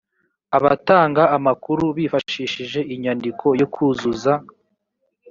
abatanga amakuru bifashishije inyandiko yo kuzuza